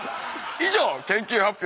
以上研究発表